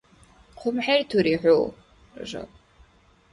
Хъумхӏертури хӏу, Ражаб